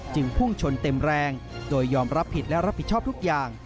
พุ่งชนเต็มแรงโดยยอมรับผิดและรับผิดชอบทุกอย่าง